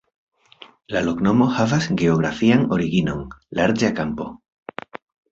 La loknomo havas geografian originon: larĝa kampo.